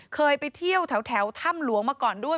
เคยไปเที่ยวแถวถ้ำหลวงมาก่อนด้วย